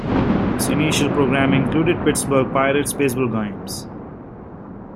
Its initial programming included Pittsburgh Pirates baseball games.